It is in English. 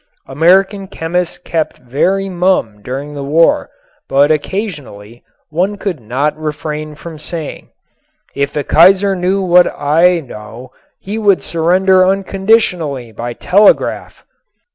American chemists kept very mum during the war but occasionally one could not refrain from saying: "If the Kaiser knew what I know he would surrender unconditionally by telegraph."